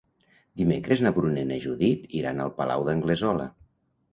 Dimecres na Bruna i na Judit iran al Palau d'Anglesola.